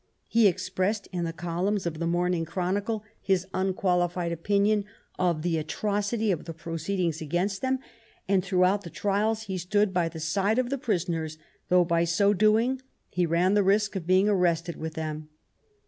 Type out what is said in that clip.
He expressed in the columns of the Morning Chronicle his unqualified opinion of the atrocity of the proceedings against them ; and throughout the trials he stood by the side of the prisoners, though by so doing he ran the risk of being arrested with them.